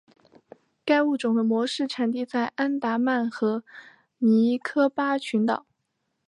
该物种的模式产地在安达曼和尼科巴群岛。